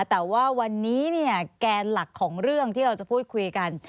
แต่ว่าวันนี้เนี่ยแกนหลักของเรื่องที่เราจะพูดคุยกัน